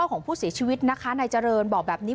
ของผู้เสียชีวิตนะคะนายเจริญบอกแบบนี้